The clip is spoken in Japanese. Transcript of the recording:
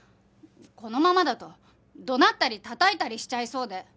このままだと怒鳴ったりたたいたりしちゃいそうで。